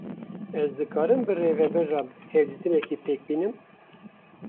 Ez dikarim bi rêvebir re hevdîtinekê pêk bînim?